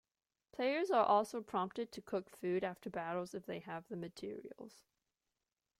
Players are also prompted to cook food after battles if they have the materials.